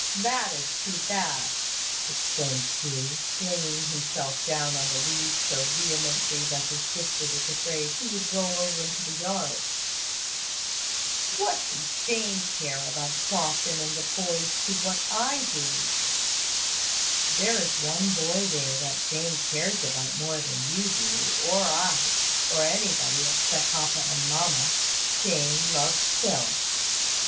"That is too bad!" exclaimed Hugh, flinging himself down on the leads so vehemently that his sister was afraid he would roll over into the yard. "What does Jane care about Crofton and the boys to what I do?" "There is one boy there that Jane cares about more than you do, or I, or anybody, except papa and mamma. Jane loves Phil."